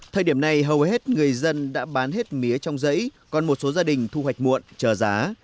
thời điểm này hầu hết người dân đã bán hết mía trong giấy còn một số gia đình thu hoạch muộn chờ giá